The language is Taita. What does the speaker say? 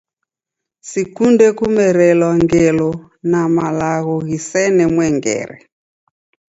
Sikunde kumerelwa ngelo na malagho ghisene mwengere.